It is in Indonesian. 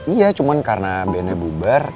iya cuman karena bandnya bubar